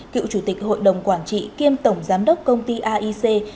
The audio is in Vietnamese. cựu chủ tịch hội đồng quản trị kiêm tổng giám đốc công ty aic